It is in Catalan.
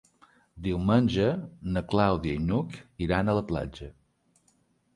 Diumenge na Clàudia i n'Hug iran a la platja.